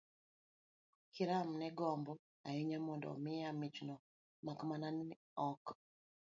kiram ne gombo ahinya mondo omiya michno, mak mana ni ne ok